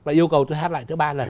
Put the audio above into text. bà yêu cầu tôi hát lại thứ ba lần